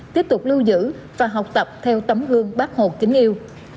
tiếp tục lưu giữ và học tập theo tấm gương bác hồ kính yêu